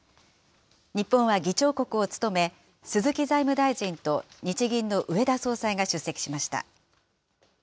日本は議長国を務め、鈴木財務大臣と日銀の植田総裁が出席しました。